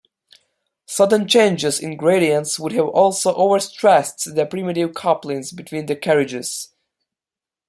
Sudden changes in gradients would have also overstressed the primitive couplings between the carriages.